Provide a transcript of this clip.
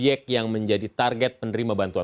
insya allah sampai mati